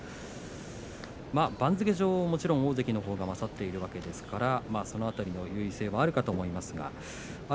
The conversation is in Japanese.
番付上、もちろん大関のほうが勝っているわけですからその辺りの優位性もあるかと思います。